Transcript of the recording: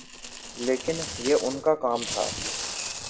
لیکن یہ ان کا کام تھا۔